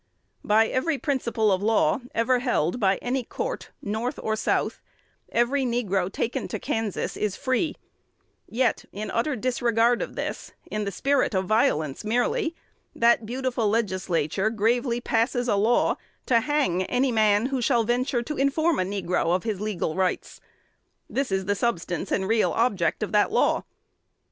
By every principle of law ever held by any court, North or South, every negro taken to Kansas is free; yet, in utter disregard of this, in the spirit of violence merely, that beautiful Legislature gravely passes a law to hang any man who shall venture to inform a negro of his legal rights. This is the substance and real object of the law.